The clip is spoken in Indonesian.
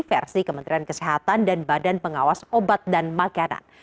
versi kementerian kesehatan dan badan pengawas obat dan makanan